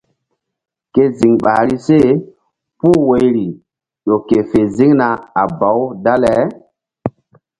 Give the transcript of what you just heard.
Ke ziŋ ɓahri se puh woyri ƴo ke fe ziŋna a baw dale.